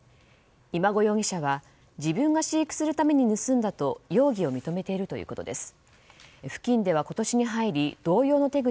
今後容疑者は自分が飼育するために盗んだと容疑を認めているということです。